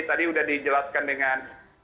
tadi sudah dijelaskan dengan